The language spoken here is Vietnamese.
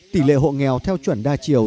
tỷ lệ hộ nghèo theo chuẩn đa chiều